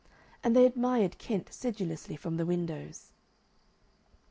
And they admired Kent sedulously from the windows.